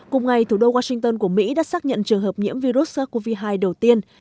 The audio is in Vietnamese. cùng ngày thủ đô washington của mỹ đã xác nhận trường hợp nhiễm virus sars cov hai đầu tiên